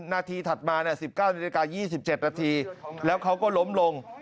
นาทีถัดมา๑๙นาฬิกา๒๗นาทีแล้วเขาก็ล้มลง